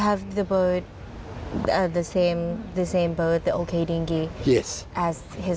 ไม่รู้ตอนนี้